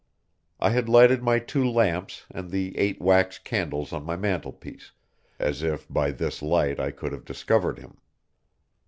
I had lighted my two lamps and the eight wax candles on my mantelpiece, as if by this light I could have discovered him.